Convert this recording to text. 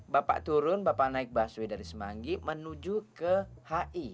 bapak turun bapak naik busway dari semanggi menuju ke hi